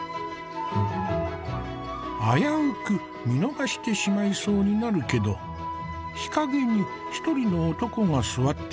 危うく見逃してしまいそうになるけど日陰に一人の男が座っている。